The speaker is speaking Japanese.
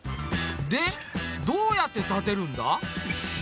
でどうやって立てるんだ？